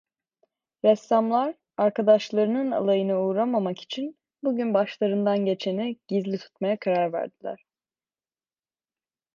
Ressamlar, arkadaşlarının alayına uğramamak için bugün başlarından geçeni gizli tutmaya karar verdiler.